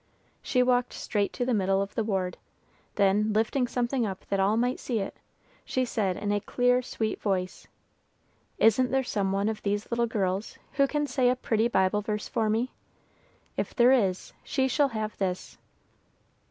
She walked straight to the middle of the ward, then, lifting something up that all might see it, she said in a clear sweet voice: "Isn't there some one of these little girls who can say a pretty Bible verse for me? If there is, she shall have this."